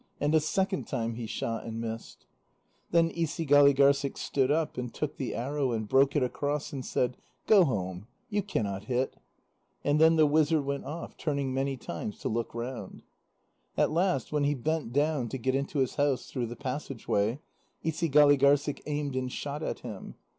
And a second time he shot and missed. Then Isigâligârssik stood up, and took the arrow, and broke it across and said: "Go home; you cannot hit." And then the wizard went off, turning many times to look round. At last, when he bent down to get into his house through the passage way, Isigâligârssik aimed and shot at him.